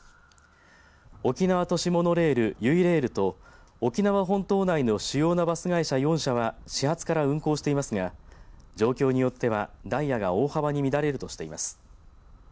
沖縄都市モノレールゆいレールと沖縄本島内の主要なバス会社４社は始発から運行していますが状況によっては、ダイヤが大幅に乱れるとしています。